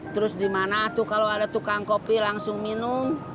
terus di mana tuh kalau ada tukang kopi langsung minum